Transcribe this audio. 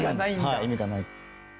はい意味がない。